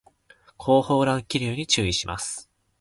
後方乱気流に注意します